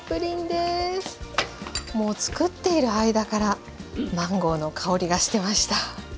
もうつくっている間からマンゴーの香りがしてました。